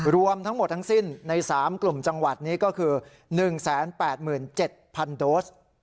รวมทั้งหมดทั้งสิ้นใน๓กลุ่มจังหวัดนี้ก็คือ๑๘๗๐๐โดส